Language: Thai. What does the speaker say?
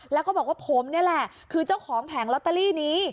แล้วก็บอกว่าผมนี่แหละคือเจ้าของแผงลอตเตอรี่นี้